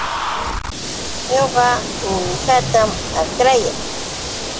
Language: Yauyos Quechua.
Ñuqa uwihatam akrayaa